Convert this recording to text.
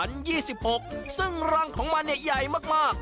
ห้องคอนโดชั้นยี่สิบหกซึ่งรังของมันเนี่ยใหญ่มากมาก